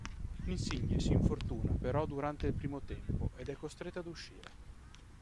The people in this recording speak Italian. Insigne si infortuna però durante il primo tempo ed è costretto ad uscire.